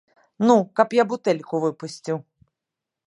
Ну, каб я бутэльку выпусціў!